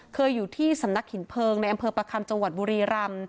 เคยอยู่ที่สำนักหินเพลิงในอำเภอประคัมจังหวัดบุรีรำ